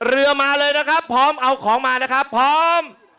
เรือมาเลยนะครับพร้อมเอาของมานะครับพร้อม